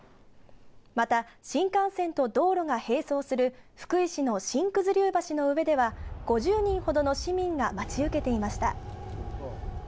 また、新幹線と道路が並走する福井市の新九頭竜橋の上では、５０人ほどの市民が待ち受けていました。